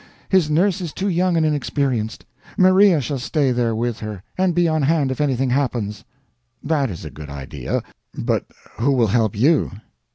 His nurse is too young and inexperienced. Maria shall stay there with her, and be on hand if anything happens." "That is a good idea, but who will help YOU?"